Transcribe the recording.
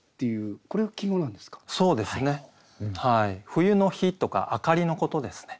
「冬の灯」とかあかりのことですね。